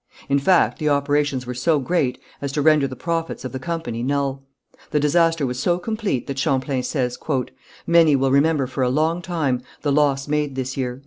In fact the operations were so great as to render the profits of the company null. The disaster was so complete that Champlain says: "Many will remember for a long time the loss made this year."